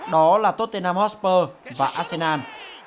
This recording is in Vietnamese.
đó là tottenham hotspur và arsenal